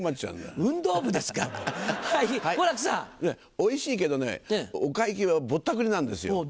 おいしいけどねお会計はぼったくりなんですよ。